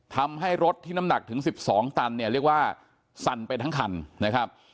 ทำให้รถที่น้ำหนักถึง๑๒ตันเนี่ยเรียกว่าสั่นไปทั้งคันนะครับ